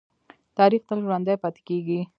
تاریخ تل ژوندی پاتې کېږي.